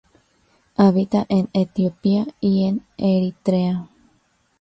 Habita en Etiopía y en Eritrea.